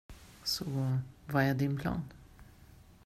Så vad är din plan?